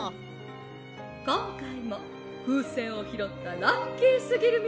「こんかいもふうせんをひろったラッキーすぎるみなさん